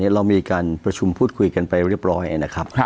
เรามีการประชุมพูดคุยกันไปเรียบร้อยนะครับ